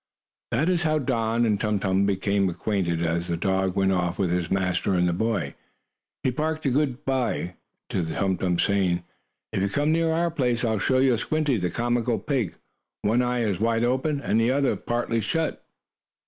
That is how Don and Tum Tum became acquainted. As the dog went off with his master and the boy, he barked a good by to Tum Tum, saying: "If you come near our place, I'll show you Squinty, the comical pig. One eye is wide open, and the other partly shut."